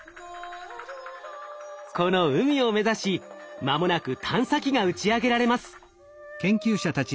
この海を目指し間もなく探査機が打ち上げられます。